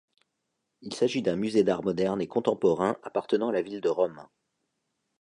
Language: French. Il s'agit d'un musée d'art moderne et contemporain appartenant à la ville de Rome.